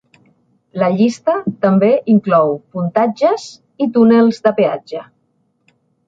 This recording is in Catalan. La llista també inclou pontatges i túnels de peatge.